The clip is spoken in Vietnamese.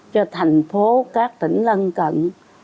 cho thành phố các tỉnh lân cận